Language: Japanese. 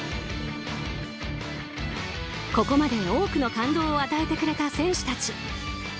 ここまで、多くの感動を与えてくれた選手たち。